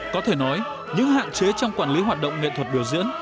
có thể nói những hạn chế trong quản lý hoạt động nghệ thuật biểu diễn